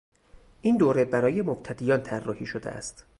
این دوره برای مبتدیان طراحی شده است.